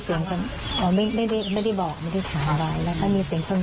เสียงมันไม่ไม่ได้บอกไม่เป็นทีทำอะไรการมีเสียงคน